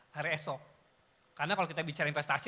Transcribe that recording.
hari esok karena kalau kita bicara investasi